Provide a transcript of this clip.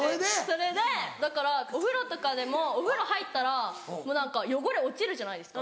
それでだからお風呂とかでもお風呂入ったらもう汚れ落ちるじゃないですか。